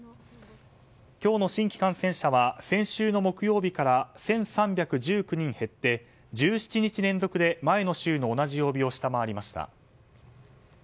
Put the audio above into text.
今日の新規感染者は先週の木曜日から１３１９人減って１７日連続で前の週の同じ曜日を下回りました。